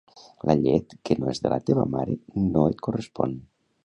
La llet que no és de la teva mare no et correspon